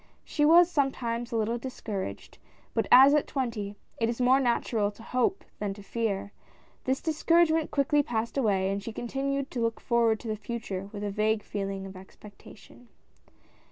She was sometimes a little discouraged, but as at twenty, it is more natural to hope than to fear, this dis couragement quickly passed away, and she continued to look forward to the Future with a vague feeling of expectation.